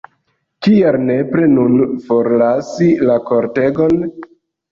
Kial nepre nun forlasi la kortegon?